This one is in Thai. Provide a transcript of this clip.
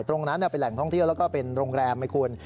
ตรงนั้นเป็นแหล่งท่องเที่ยวแล้วก็เป็นโรงแรมไหมคุณ